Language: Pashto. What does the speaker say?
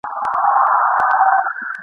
ژبه مي د حق په نامه ګرځي بله نه مني !.